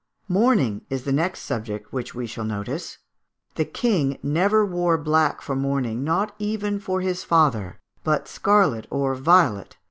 Mourning is the next subject which we shall notice. The King never wore black for mourning, not even for his father, but scarlet or violet.